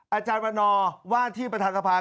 อาจารย์วันนอว่าที่ประธานสภา